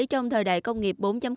trong thời đại công nghiệp bốn